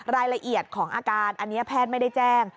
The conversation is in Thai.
รายละเอียดของอาการอันนี้แพทย์ไม่ได้แจ้ง